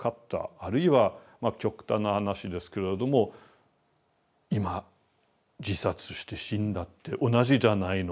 あるいは極端な話ですけれども今自殺して死んだって同じじゃないの？